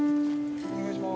・お願いします。